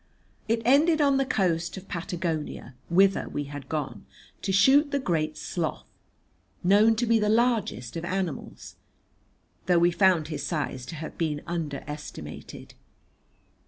It ended on the coast of Patagonia, whither we had gone to shoot the great Sloth, known to be the largest of animals, though we found his size to have been under estimated.